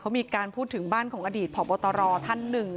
เขามีการพูดถึงบ้านของอดีตผอบตรท่านหนึ่ง